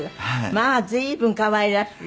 まあ随分可愛らしい。